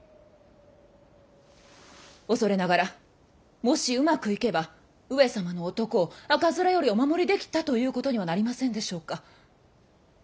恐れながらもしうまくいけば上様の男を赤面よりお守りできたということにはなりませんでしょうか。